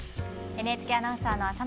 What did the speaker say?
ＮＨＫアナウンサーの浅野里香です。